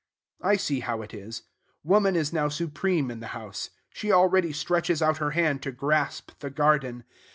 I see how it is. Woman is now supreme in the house. She already stretches out her hand to grasp the garden.